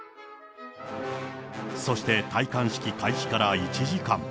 そして戴冠式開始から１時間。